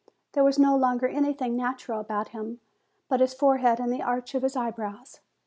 There was no longer anything natural about him but his forehead and the arch of his eyebrows.